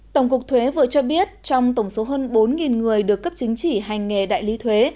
tổng cục thuế vừa cho biết trong tổng số hơn bốn người được cấp chứng chỉ hành nghề đại lý thuế